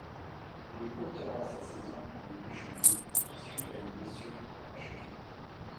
Il écourtera sa saison en début juillet suite à une blessure à la cheville.